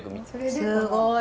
すごい！